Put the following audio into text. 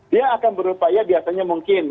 dia akan berupaya biasanya mungkin